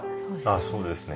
そうですね。